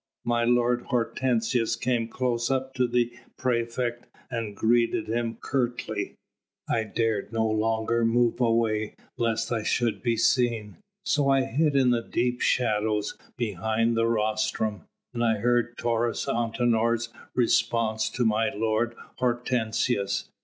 My lord Hortensius came close up to the praefect and greeted him curtly. I dared no longer move away lest I should be seen, so I hid in the deep shadow behind the rostrum, and I heard Taurus Antinor's response to my lord Hortensius."